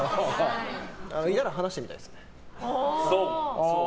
いるなら話してみたいですね。